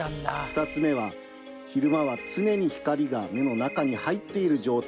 ２つ目は昼間は常に光が目の中に入っている状態です。